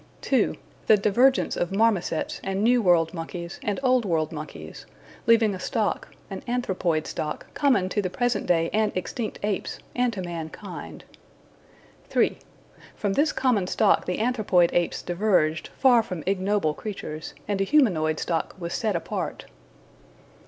(2) The divergence of marmosets and New World monkeys and Old World monkeys, leaving a stock an anthropoid stock common to the present day and extinct apes and to mankind. (3) From this common stock the Anthropoid apes diverged, far from ignoble creatures, and a humanoid stock was set apart.